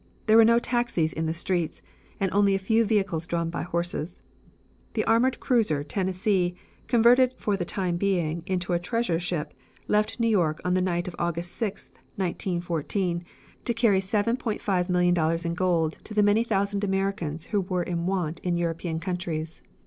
There were no taxis in the streets, and only a few vehicles drawn by horses. The armored cruiser Tennessee, converted for the time being into a treasure ship, left New York on the night of August 6th, 1914, to carry $7,500,000 in gold to the many thousand Americans who were in want in European countries.